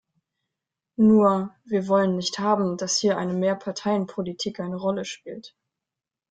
Nur, wir wollen nicht haben, dass hier eine Mehrparteienpolitik eine Rolle spielt.